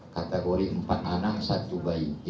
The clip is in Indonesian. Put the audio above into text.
kategori empat anak satu bayi